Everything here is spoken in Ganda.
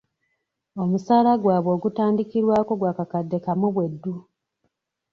Omusaala gwabwe ogutandikirwako gwa kakadde kamu bweddu.